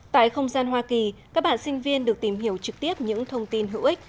tại không gian hoa kỳ các bạn sinh viên được tìm hiểu trực tiếp những thông tin hữu ích